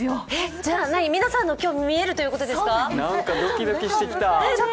じゃあ皆さんのが今日、見えるってことですか？